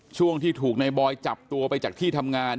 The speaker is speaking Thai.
ช่วงที่ถูกในบอยจับตัวไปจากที่ทำงาน